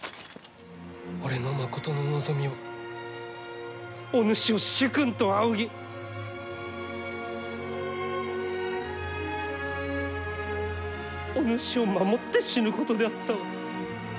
俺のまことの望みはお主を主君と仰ぎお主を守って死ぬことであったわ。